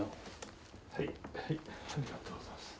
はいはいありがとうございます。